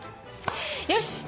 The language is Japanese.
よし！